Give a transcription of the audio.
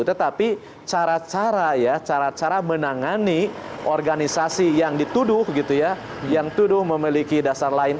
tetapi cara cara ya cara cara menangani organisasi yang dituduh gitu ya yang tuduh memiliki dasar lain